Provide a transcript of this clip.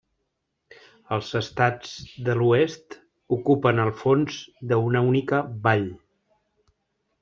Els estats de l'Oest ocupen el fons d'una única vall.